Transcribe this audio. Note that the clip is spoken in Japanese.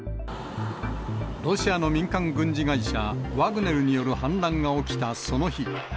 ロシアの民間軍事会社、ワグネルによる反乱が起きたその日。